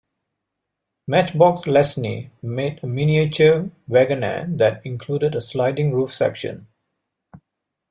Matchbox-Lesney made a miniature Wagonaire that included a sliding roof section.